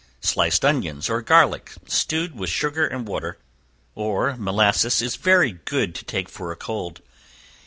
Sliced onions, or garlic stewed with sugar and water, or molasses, is very good to take for a cold.